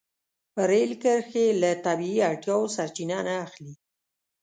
رېل کرښې له طبیعي اړتیاوو سرچینه نه اخلي.